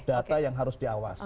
data yang harus diawasi